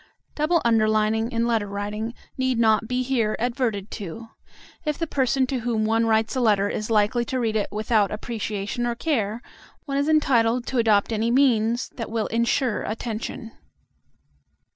Double underlining in letter writing need not be here adverted to. If the person to whom one writes a letter is likely to read it without appreciation or care, one is entitled to adopt any means that will ensure attention.